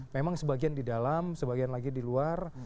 memang sebagian di dalam sebagian lagi di luar